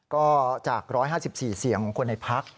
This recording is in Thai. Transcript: ก็จาก๑๕๔เสียงของคนในพัก